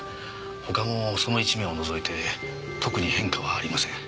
他もその１名を除いて特に変化はありません。